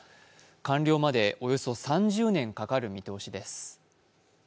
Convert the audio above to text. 完了までおよそ３０年かかる見通しです。